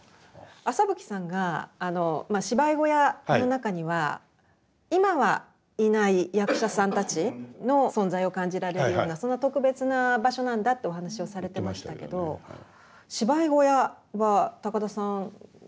朝吹さんが芝居小屋の中には今はいない役者さんたちの存在を感じられるようなそんな特別な場所なんだってお話をされてましたけど芝居小屋は高田さん縁が深いですよね。